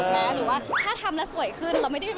ถูกไหม